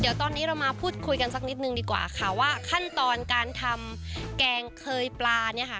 เดี๋ยวตอนนี้เรามาพูดคุยกันสักนิดนึงดีกว่าค่ะว่าขั้นตอนการทำแกงเคยปลาเนี่ยค่ะ